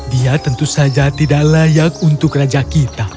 dia tentu saja tidak layak untuk raja kita